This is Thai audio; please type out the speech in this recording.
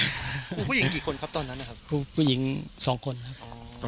ครูผู้หญิงกี่คนครับตอนนั้นนะครับครูผู้หญิงสองคนครับ